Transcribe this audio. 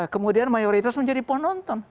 kemudian mayoritas menjadi penonton